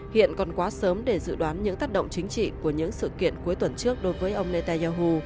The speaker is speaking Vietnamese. hiện còn quá sớm để dự đoán những tác động chính trị của những sự kiện cuối tuần trước đối với ông netanyahu